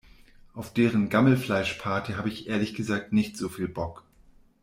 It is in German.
Auf deren Gammelfleischparty habe ich ehrlich gesagt nicht so viel Bock.